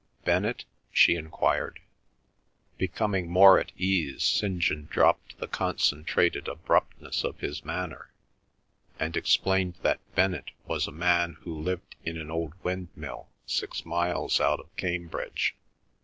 "Bennett?" she enquired. Becoming more at ease, St. John dropped the concentrated abruptness of his manner, and explained that Bennett was a man who lived in an old windmill six miles out of Cambridge.